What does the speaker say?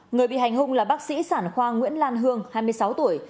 người bị hành hung là bác sĩ sản khoa nguyễn lan hương hai mươi sáu tuổi